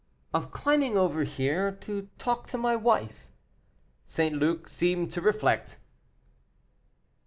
"Of climbing over here to talk to my wife." St. Luc seemed to reflect.